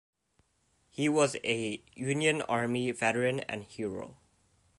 He was a Union army veteran and hero.